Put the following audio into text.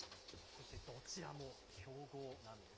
そしてどちらも強豪なんです。